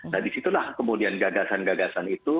nah disitulah kemudian gagasan gagasan itu